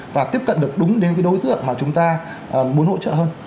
và tiếp cận được đúng đến cái đối tượng mà chúng ta muốn hỗ trợ hơn